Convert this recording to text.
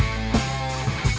eh udah dong